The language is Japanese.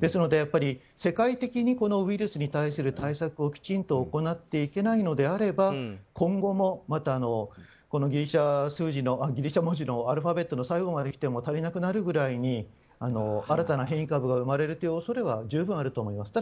ですので、世界的にウイルスに対する対策をきちんと行っていけないのであれば今後もまたギリシャ文字のアルファベットの最後まで来ても足りなくなるくらいに新たな変異株が生まれる恐れは十分あると思います。